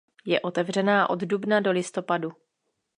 Je otevřená od dubna do listopadu.